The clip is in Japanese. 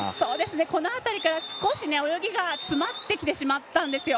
この辺りから少し泳ぎが詰まってきてしまったんですよ。